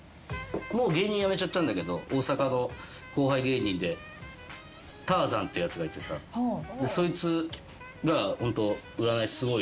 もう芸人辞めちゃったんだけど大阪の後輩芸人でターザンってやつがいてさそいつがホント。